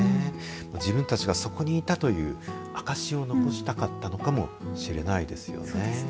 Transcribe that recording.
自分たちがそこにいたという証しを残したかったのかもしれないですよね。